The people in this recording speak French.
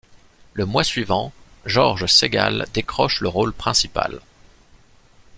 Le mois suivant, George Segal décroche le rôle principal.